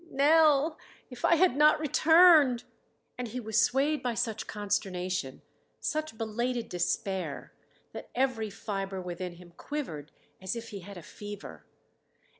Nell! If I had not returned!" And he was swayed by such consternation, such belated despair, that every fiber within him quivered as if he had a fever.